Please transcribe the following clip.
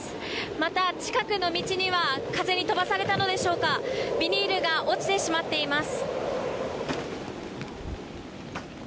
また、近くの道には風に飛ばされたのでしょうかビニールが落ちてしまっています。